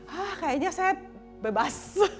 hah kayaknya saya bebas